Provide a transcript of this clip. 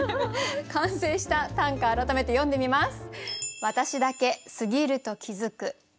完成した短歌改めて読んでみます。